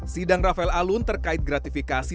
sidang rafael alun terkait gratifikasi